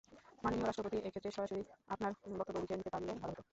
মাননীয় রাষ্ট্রপতি, এক্ষেত্রে সরাসরি আপনার বক্তব্য লিখে নিতে পারলে ভালো হতো।